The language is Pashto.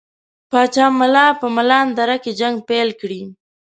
پاچا ملا په مالان دره کې جنګ پیل کړي.